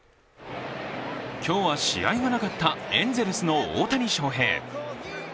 今日は試合がなかったエンゼルスの大谷翔平。